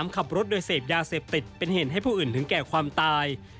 ขับรถโดยเสพยาเสพติดเป็นเหตุให้ผู้อื่นถึงแก่ความตาย